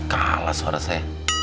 kalah suara saya